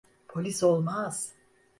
Polis olmaz.